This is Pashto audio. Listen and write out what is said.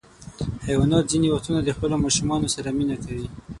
حیوانات ځینې وختونه د خپلو ماشومانو سره مینه کوي.